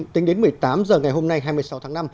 tính đến một mươi tám h ngày hôm nay hai mươi sáu tháng năm